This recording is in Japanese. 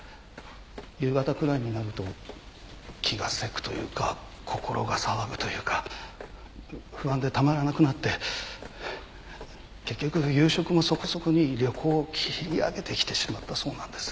夕方くらいになると気がせくというか心が騒ぐというか不安でたまらなくなって結局夕食もそこそこに旅行を切り上げてきてしまったそうなんです。